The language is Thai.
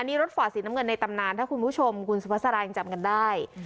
นี่รถฝ่าสีน้ำเงินในตำนานถ้าคุณผู้ชมคุณสุภาษายังจำกันได้